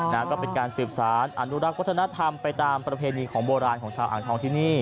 นะก็เป็นการสืบสารอนุรักษ์วัฒนธรรมไปตามประเพณีของโบราณของชาวอ่างทองที่นี่